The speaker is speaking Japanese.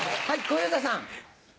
はい小遊三さん。